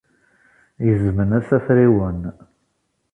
Gezmen-as afriwen.